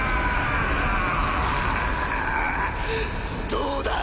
どうだ？